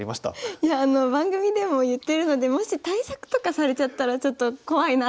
いやあの番組でも言ってるのでもし対策とかされちゃったらちょっと怖いなと思って変えてみました。